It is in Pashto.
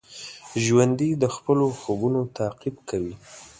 ژوندي د خپلو خوبونو تعقیب کوي